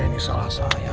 ini salah saya